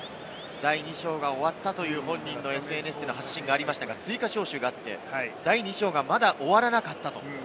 第２章が終わったという発信がありましたが、追加招集があって、まだ第２章が終わらなかった。